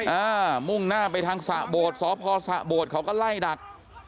มุ่งหน้าไปทางสระโบดสพสะโบดเขาก็ไล่ดัก